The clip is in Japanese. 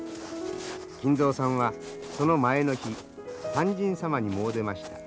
金蔵さんはその前の日勧進様に詣でました。